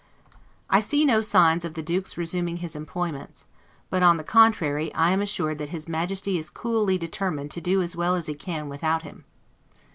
I see no signs of the Duke's resuming his employments; but on the contrary I am assured that his Majesty is coolly determined to do as well as he can without him.